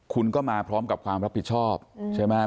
คุณก็มาพร้อมกับความรับผิดชอบใช่ไหม